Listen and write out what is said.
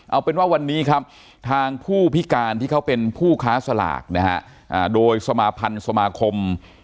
เอาเป็นว่าวันนี้ครับทางผู้พิการที่เขาเป็นผู้ค้าสลากนะฮะโดยสมาพันธ์สมาคม